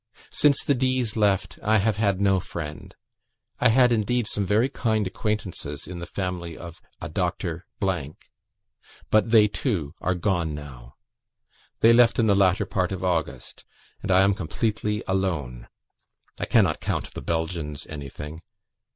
Since the D.s left, I have had no friend. I had, indeed, some very kind acquaintances in the family of a Dr. , but they, too, are gone now. They left in the latter part of August, and I am completely alone. I cannot count the Belgians anything.